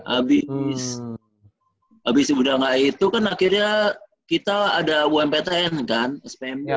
abis abis udah gak itu kan akhirnya kita ada umptn kan spm ya